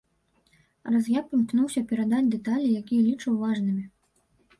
Разьбяр імкнуўся перадаць дэталі, якія лічыў важнымі.